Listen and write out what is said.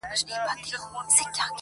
د لېوه سترګي سوې سرې په غړومبېدو سو!!